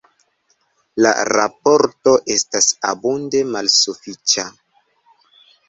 La raporto estas abunde malsufiĉa.